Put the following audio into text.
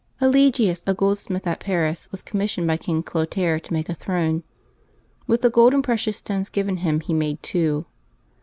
/^LiGius, a goldsmitli at Paris, was eommissioned by vIA King Clotaire to make a throne. With the gold and precious stones given him he made two.